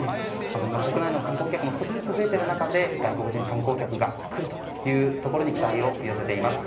今、国内の観光客も少しずつ増えている中で外国人観光客が来ることに期待を寄せています。